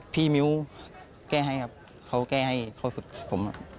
พี่มิวแก้ให้ครับเขาประสบปลูกฝึกผม